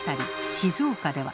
静岡では。